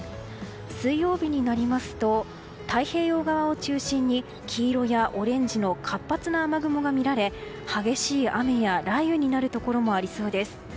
水曜日になりますと太平洋側を中心に黄色やオレンジの活発な雨雲が見られ激しい雨や雷雨になるところもありそうです。